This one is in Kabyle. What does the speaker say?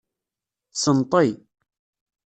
Senṭi.